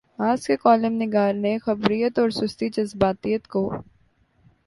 آج کے کالم نگار نے خبریت اورسستی جذباتیت کو